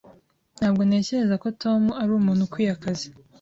Ntabwo ntekereza ko Tom ari umuntu ukwiye akazi.